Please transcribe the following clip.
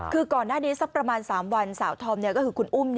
คือก่อนหน้านี้สักประมาณ๓วันสาวธอมก็คือคุณอุ้ม